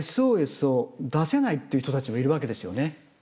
ＳＯＳを出せないという人たちもいるわけですよね？